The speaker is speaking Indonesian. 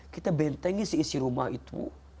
kita bentengi si isi rumah itu